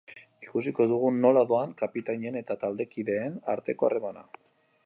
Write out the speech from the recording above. Ikusiko dugu nola doan kapitainen eta taldekideen arteko harremana.